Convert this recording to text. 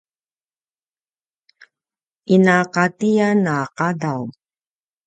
inaqatiyan a qadaw